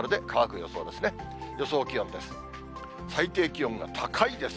予想気温です。